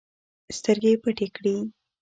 سترګې پټې کړې